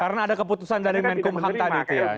karena ada keputusan dari menkum ham tadi ya